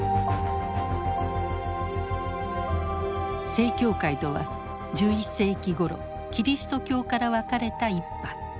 正教会とは１１世紀ごろキリスト教から分かれた一派。